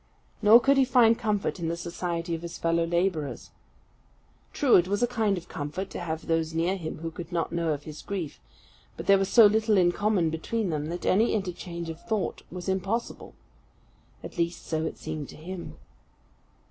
Nor could he find comfort in the society of his fellow labourers. True, it was a kind of comfort to have those near him who could not know of his grief; but there was so little in common between them, that any interchange of thought was impossible. At least, so it seemed to him.